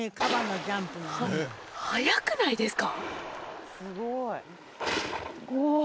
速くないですか？